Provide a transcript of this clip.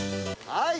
はい！